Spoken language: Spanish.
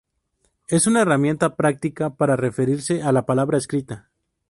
Es una herramienta práctica para referirse a la palabra escrita.